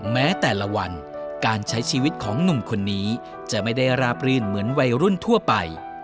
แม้แต่ละวันการใช้ชีวิตของหนุ่มคนนี้จะไม่ได้ราบรื่นเหมือนวัยรุ่นทั่วไป